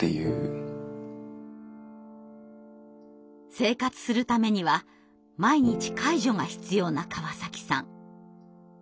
生活するためには毎日介助が必要な川崎さん。